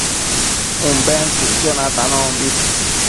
Umbentsëcquio natanombi